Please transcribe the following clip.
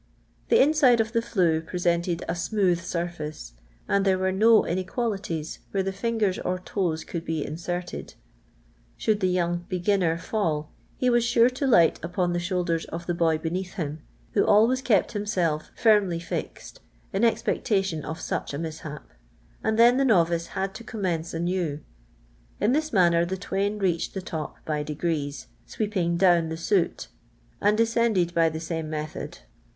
The inside of the flue presented a smooth surface, and there were no inequalities where the Angers or toes could be inserted. Should the young beginner fall, he was sure to light on the shoulders of the boy beneath him, who always kept himself lirmly flxed in expectation of such a mishap, and then the novice had to commence aiiew ; in this manner the twain reached the top by degrees, sweeping down the soot, and descended by the same method.